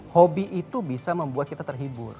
hobi itu bisa membuat kita terhibur